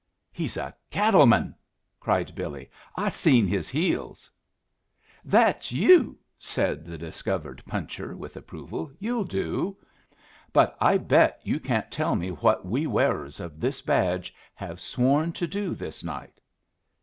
"He's a cattle man!" cried Billy. "I seen his heels." "That's you!" said the discovered puncher, with approval. "You'll do. But I bet you can't tell me what we wearers of this badge have sworn to do this night."